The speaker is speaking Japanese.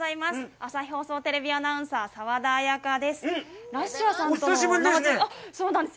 朝日放送テレビアナウンサー、澤田有也佳です。